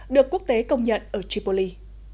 được quốc tế công nhận ở tripoli